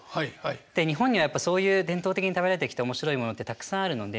で日本にはそういう伝統的に食べられてきた面白いものってたくさんあるので。